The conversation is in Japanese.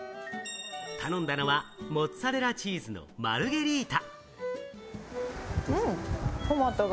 頼んだのはモッツァレラチーズのマルゲリータ。